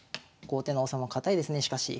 後手の王様堅いですねしかし。